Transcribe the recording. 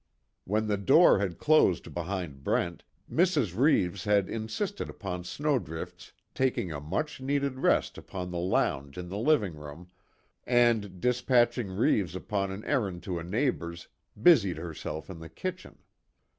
When the door had closed behind Brent, Mrs. Reeves had insisted upon Snowdrift's taking a much needed rest upon the lounge in the living room, and despatching Reeves upon an errand to a neighbor's, busied herself in the kitchen.